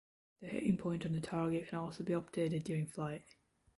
The hitting point on the target can also be updated during flight.